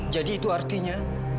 jadi itu artinya